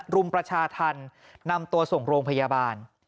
รุมประชาธรรมนำตัวส่งโรงพยาบาล